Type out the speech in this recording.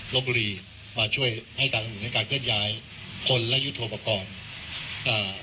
รถบรีมาช่วยให้การการเคลื่อนย้ายคนและยุทธภพกรอ่า